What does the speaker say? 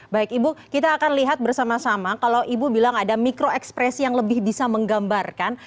baik ibu kita akan lihat bersama sama kalau ibu bilang ada mikro ekspresi yang lebih bisa menggambarkan